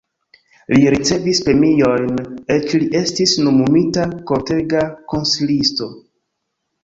Li ricevis premiojn, eĉ li estis nomumita kortega konsilisto.